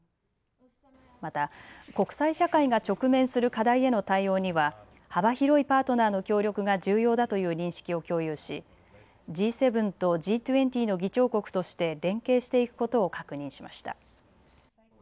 また国際社会が直面する課題への対応には幅広いパートナーの協力が重要だという認識を共有しＧ７とＧ２０の議長国として連携していくことを確認しました。